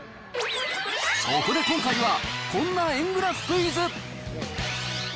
そこで今回は、こんな円グラフクイズ。